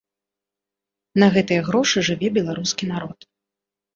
На гэтыя грошы жыве беларускі народ.